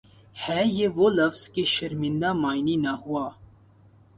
ہے یہ وہ لفظ کہ شرمندۂ معنی نہ ہوا